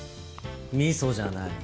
味噌じゃない。